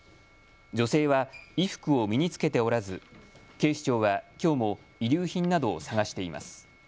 女性は衣服を身に着けておらず警視庁はきょうも遺留品などを捜しています。